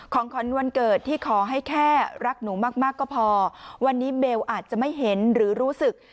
ของขวัญวันเกิดที่ขอให้แค่รักหนูมากก็พอวันนี้เบลอาจจะไม่เห็นหรือรู้สึก